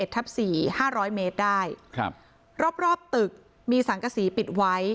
๘๑ทับสี่๕๐๐เมตรได้รอบตึกมีสังกสีปิดไว้